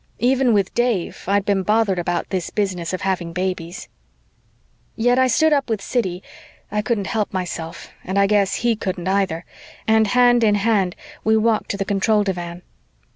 Even with Dave, I'd been bothered about this business of having babies. Yet I stood up with Siddy I couldn't stop myself and I guess he couldn't either and hand in hand we walked to the control divan.